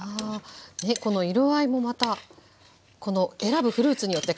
ねこの色合いもまたこの選ぶフルーツによって変わって。